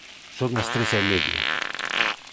_Son as tres e media.